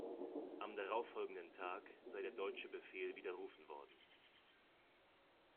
Am darauffolgenden Tag sei der deutsche Befehl widerrufen worden.